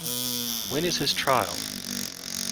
When is his trial?